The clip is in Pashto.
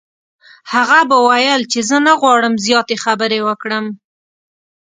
هغه به ویل چې زه نه غواړم زیاتې خبرې وکړم.